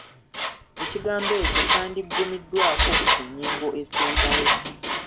Ekigambo ekyo kyandiggumiddwako ku nnyingo esembayo.